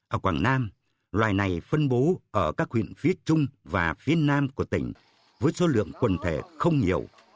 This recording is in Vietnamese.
ở quảng nam loài này phân bố ở các huyện phía trung và phía nam của tỉnh với số lượng quần thể không nhiều